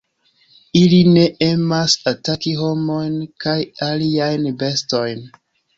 Ili ne emas ataki homojn kaj aliajn bestojn.